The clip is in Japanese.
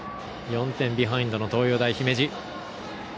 ４点ビハインドの東洋大姫路。